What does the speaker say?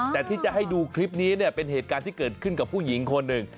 แต่ที่จะให้ดูคลิปนี้เนี่ยเป็นเหตุการณ์ที่เกิดขึ้นกับผู้หญิงคนหนึ่ง